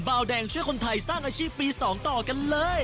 บาวแดงช่วยคนไทยสร้างอาชีพปี๒ต่อกันเลย